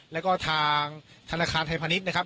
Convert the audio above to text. แล้วก็ทางธนาคารไทยพาณิชย์นะครับ